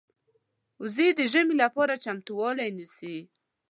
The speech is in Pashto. وزې د ژمې لپاره چمتووالی نیسي